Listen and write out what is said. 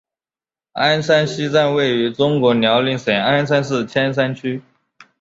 鞍山西站位于中国辽宁省鞍山市千山区。